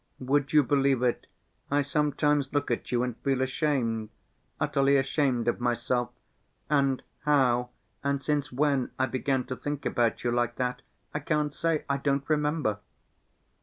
Would you believe it, I sometimes look at you and feel ashamed, utterly ashamed of myself.... And how, and since when, I began to think about you like that, I can't say, I don't remember...."